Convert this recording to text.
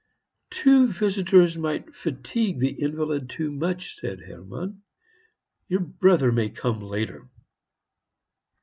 "Two visitors might fatigue the invalid too much," said Hermann; "your brother may come later."